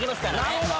なるほど。